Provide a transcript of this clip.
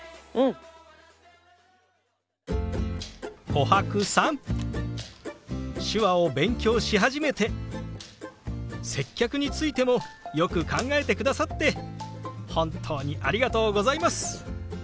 コハクさん手話を勉強し始めて接客についてもよく考えてくださって本当にありがとうございます！